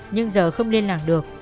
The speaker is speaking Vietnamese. nhưng giờ không liên lạc được